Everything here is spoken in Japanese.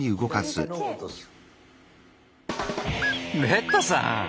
レッドさん！